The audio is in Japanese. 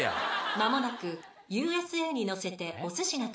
間もなく『Ｕ．Ｓ．Ａ．』に乗せておすしが到着します。